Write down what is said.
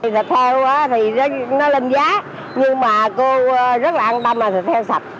thịt heo thì nó lên giá nhưng mà cô rất là an toàn mà thịt heo sạch